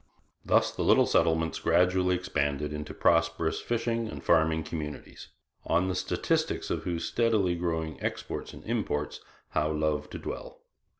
' Thus the little settlements gradually expanded into prosperous fishing and farming communities, on the statistics of whose steadily growing exports and imports Howe loved to dwell.